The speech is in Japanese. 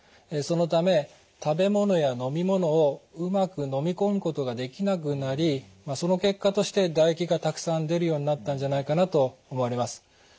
そのため食べ物や飲み物をうまくのみ込むことができなくなりその結果として唾液がたくさん出るようになったんじゃないかなと思われます。